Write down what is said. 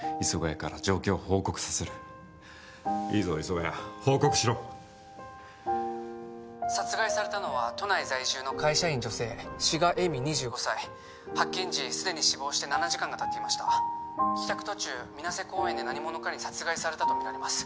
谷から状況を報告させるいいぞ磯ヶ谷報告しろ殺害されたのは都内在住の会社員女性志賀恵美２５歳発見時すでに死亡して７時間がたっていました帰宅途中みなせ公園で何者かに殺害されたとみられます